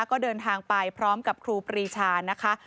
ก็เดินทางไปพร้อมกับครูปรีชานะคะ